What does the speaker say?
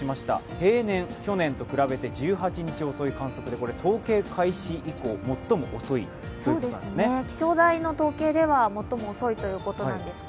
平年、去年と比べて１８日遅い観測で統計開始以降最も遅いということ何ですね。